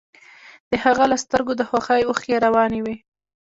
د هغه له سترګو د خوښۍ اوښکې روانې وې